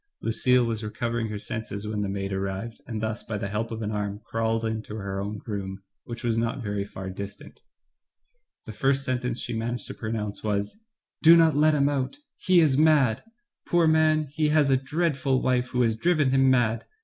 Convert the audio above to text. Lucille was recovering her senses when the maid arrived, and thus by the help of an arm crawled into her own room, which was not very far distant. The first sentence she managed to pronounce was : "Do not let him out, he is mad. Poor man. Digitized by Google 214 THE FATE OF FEN ELLA, he has a dreadful wife who has driven him mad.